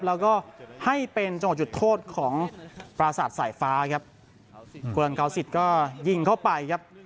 แล้วก็ให้เป็นจังหวะจุดโทษของปราศาสตร์สายฟ้าครับกวนเกาสิทธิ์ก็ยิงเข้าไปครับ